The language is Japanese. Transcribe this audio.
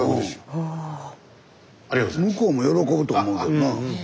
スタジオ向こうも喜ぶと思うけどな。